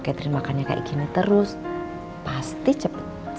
catherine makannya kayak gini terus pasti cepet banget ya